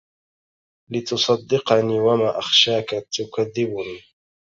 لتصدقني وما أخشاك تكذبني